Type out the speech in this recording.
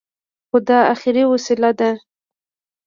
خو دا اخري وسيله ده.